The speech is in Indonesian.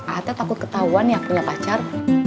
ada takut ketahuan ya punya pacar